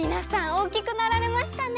おおきくなられましたね。